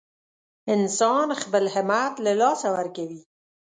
انسان خپل همت له لاسه ورکوي.